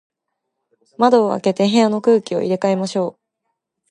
窓を開けて、部屋の空気を入れ替えましょう。